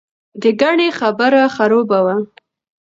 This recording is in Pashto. دګنې خبره خروبه وه.